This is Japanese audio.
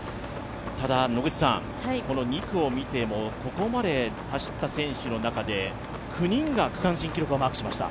ただ、この２区を見てもここまで走った選手の中で９人が区間新記録をマークしました。